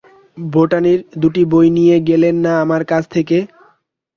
বোটানির দুটি বই নিয়ে গেলেন না আমার কাছ থেকে?